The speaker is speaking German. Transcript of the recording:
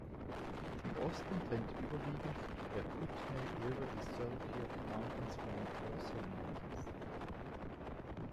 Im Osten trennt überwiegend der Kootenay River die Selkirk Mountains von den Purcell Mountains.